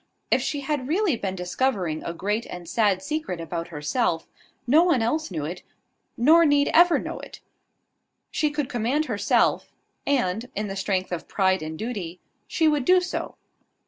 If she had really been discovering a great and sad secret about herself, no one else knew it, nor need ever know it. She could command herself; and, in the strength of pride and duty, she would do so.